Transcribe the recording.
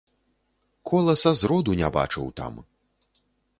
Коласа зроду не бачыў там!